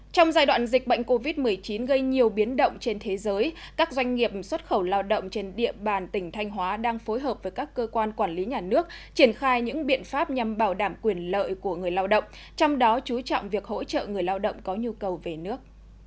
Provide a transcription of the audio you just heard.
trong giai đoạn dịch bệnh covid một mươi chín gây nhiều biến động trên thế giới các doanh nghiệp xuất khẩu lao động trên địa bàn tỉnh thanh hóa đang phối hợp với các cơ quan quản lý nhà nước triển khai những biện pháp nhằm bảo đảm quyền lợi của người lao động trong đó chú trọng việc hỗ trợ người lao động có nhu cầu về nước